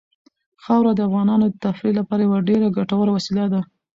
خاوره د افغانانو د تفریح لپاره یوه ډېره ګټوره وسیله ده.